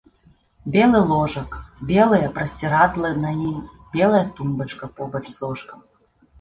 Белы ложак, белыя прасцірадлы на ім, белая тумбачка побач з ложкам.